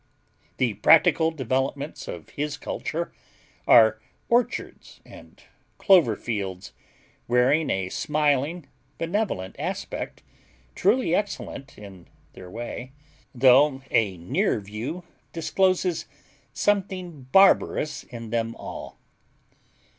The practical developments of his culture are orchards and clover fields wearing a smiling, benevolent aspect, truly excellent in their way, though a near view discloses something barbarous in them all.